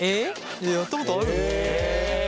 いややったことあるよ。